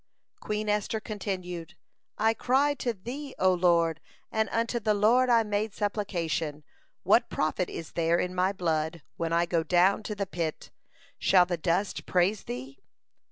Queen Esther continued: "I cried to Thee, O Lord; and unto the Lord I made supplication. What profit is there in my blood, when I go down to the pit? Shall the dust praise Thee?